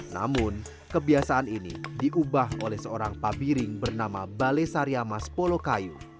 namun kebiasaan ini diubah oleh seorang pabiring bernama balesariamas polokayu